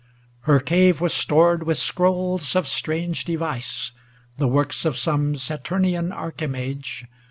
XVIII Her cave was stored with scrolls of strange device, The works of some Saturnian Archi mage.